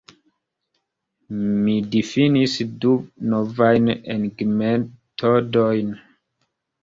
Mi difinis du novajn enigmetodojn.